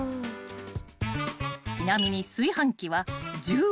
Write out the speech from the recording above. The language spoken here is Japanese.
［ちなみに炊飯器は１０合炊き］